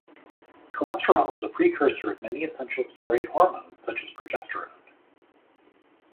Cholesterol is a precursor of many essential steroid hormones such as progesterone.